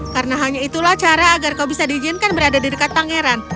karena hanya itulah cara agar kau bisa diizinkan berada di dekat pangeran